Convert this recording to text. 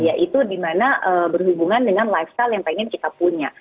yaitu di mana berhubungan dengan lifestyle yang ingin kita punya